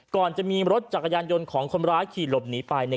ก่อนจะมีรถจักรยานยนต์ของคนร้ายขี่หลบหนีไปเนี่ย